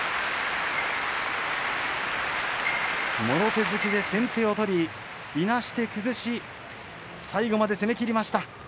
もろ手突きで先手を取りいなして崩して最後まで攻めきりました。